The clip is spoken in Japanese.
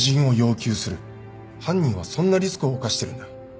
犯人はそんなリスクを冒してるんだ。